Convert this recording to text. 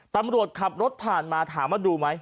ตำรวจขับรถผ่านมาถามว่าดูไหม